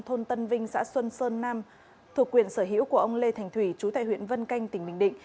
thôn tân vinh xã xuân sơn nam thuộc quyền sở hữu của ông lê thành thủy chú tại huyện vân canh tỉnh bình định